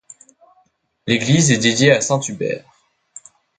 L’église est dédiée à saint Hubert.